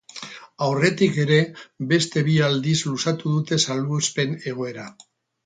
Aurretik ere beste bi aldiz luzatu dute salbuespen egoera.